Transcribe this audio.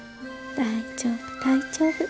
大丈夫大丈夫。